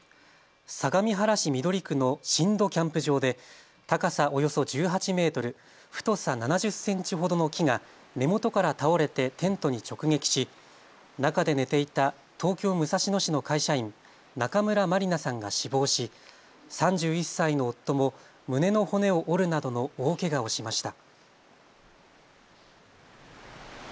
相模原市緑区の新戸キャンプ場で高さおよそ１８メートル、太さ７０センチほどの木が根元から倒れてテントに直撃し中で寝ていた東京武蔵野市の会社員、中村まりなさんが死亡し３１歳の夫も胸の骨を折るなどの大けがをしました。